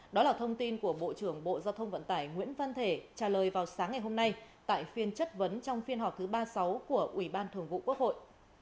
đó là thông tin của bộ trưởng bộ giao thông vận tải nguyễn văn thể trả lời vào sáng ngày hôm nay tại phiên chất vấn trong phiên họp thứ ba mươi sáu của ủy ban thường vụ quốc hội